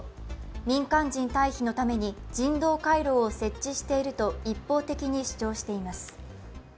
民間人退避のために人道回廊を設置していると一方的に主張しています。